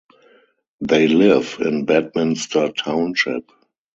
They live in Bedminster Township.